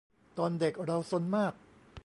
ตอนเด็กเราซนมาก